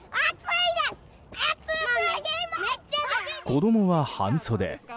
子供は半袖。